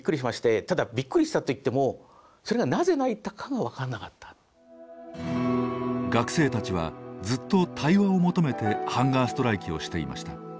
ただびっくりしたといっても学生たちはずっと対話を求めてハンガーストライキをしていました。